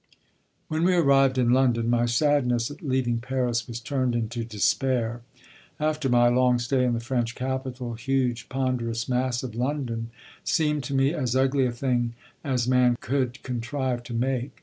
When we arrived in London, my sadness at leaving Paris was turned into despair. After my long stay in the French capital, huge, ponderous, massive London seemed to me as ugly a thing as man could contrive to make.